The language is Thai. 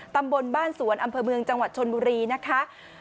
ตำบลบ้านสวนอำเภอเมืองจังหวัดชนบุรีนะคะ